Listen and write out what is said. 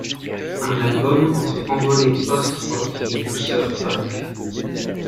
Un album entre envolées post rock et douceurs folk.